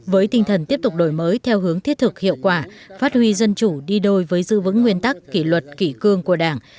với tinh thần tiếp tục đổi mới theo hướng thiết thực hiệu quả phát huy dân chủ đi đôi với dư vững nguyên tắc kỷ luật kỷ cương của đảng